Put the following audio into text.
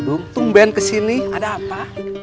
tungguin kesini ada apa